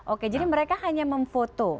oke jadi mereka hanya memfoto